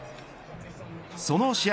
その試合